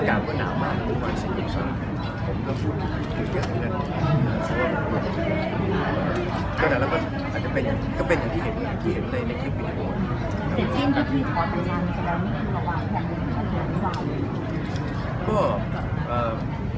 เช่นตัวนี้แล้วก็มันปลูกมือฟังว่าเราแผ่นไว้ไม่ได้บอกอะไร